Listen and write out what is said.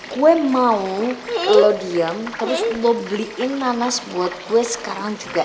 gue mau kalau diam terus lo beliin nanas buat gue sekarang juga